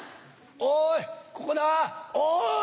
おいここだおい！